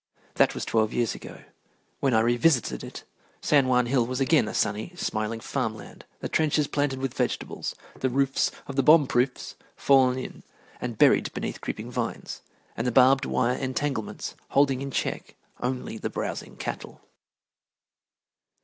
That was twelve years ago. When I revisited it, San Juan Hill was again a sunny, smiling farm land, the trenches planted with vegetables, the roofs of the bomb proofs fallen in and buried beneath creeping vines, and the barbed wire entanglements holding in check only the browsing cattle.